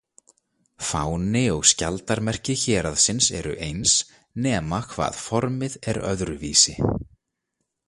Fáni og skjaldarmerki héraðsins eru eins, nema hvað formið er öðruvísi.